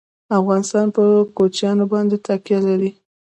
افغانستان په کوچیان باندې تکیه لري.